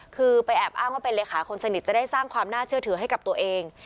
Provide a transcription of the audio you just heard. คือไปแอบอ้างว่าเป็นเลขาคนสนิทจะได้สร้างความน่าเชื่อถือให้กับตัวเอง